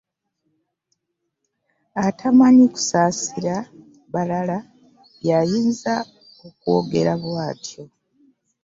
Atamanyi kusasira balala y'ayinza okwogera bwatyo .